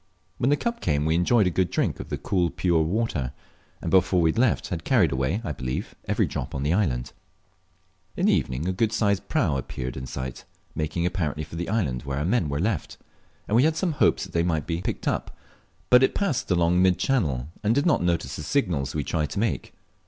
When the cup came we enjoyed a good drink of the cool pure water, and before we left had carried away, I believe, every drop on the island. In the evening a good sized prau appeared in sight, making apparently for the island where our men were left, and we had some hopes they might be seen and picked up, but it passed along mid channel, and did not notice the signals we tried to make.